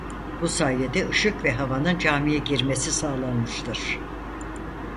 Bu sayede ışık ve havanın camiye girmesi sağlanmıştır.